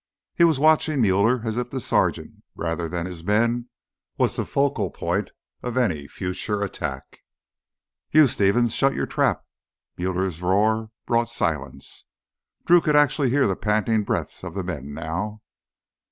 He was watching Muller as if the sergeant, rather than his men, was the focal point of any future attack. "You—Stevens—shut your trap!" Muller's roar brought silence. Drew could actually hear the panting breaths of the men now.